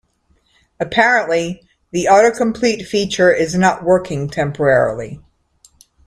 Apparently, the autocomplete feature is not working temporarily.